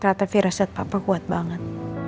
ternyata virusnya papa kuat banget